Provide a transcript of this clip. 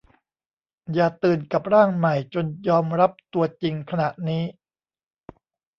อย่าตื่นกับร่างใหม่จนยอมรับตัวจริงขณะนี้